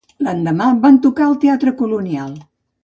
L'endemà, van tocar al Teatre Colonial.